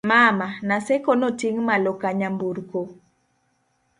mama, Naseko noting' malo ka nyamburko